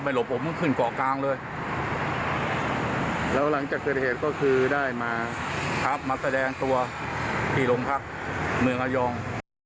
เมืองอายอง